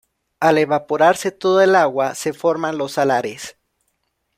Al evaporarse toda el agua se forman los salares.